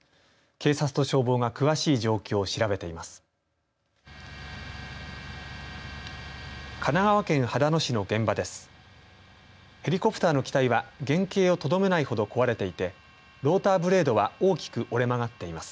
警察と消防が詳しい状況を調べています。